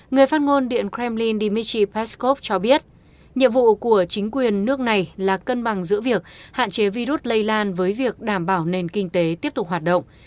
người phát ngôn điện kremlin dmitry peskov cho biết nhiệm vụ của chính quyền nước này là cân bằng giữa việc hạn chế virus lây lan với việc đảm bảo nền kinh tế tiếp tục hoạt động